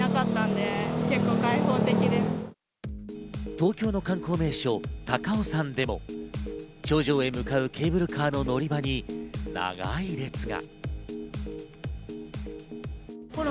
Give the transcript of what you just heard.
東京の観光名所、高尾山でも頂上へ向かうケーブルカーの乗り場に長い列が。